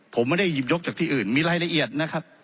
ผมไม่ได้หยิบยกจากที่อื่นมีรายละเอียดนะครับ